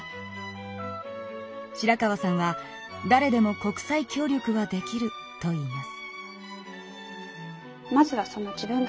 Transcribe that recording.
白川さんは「だれでも国際協力はできる」と言います。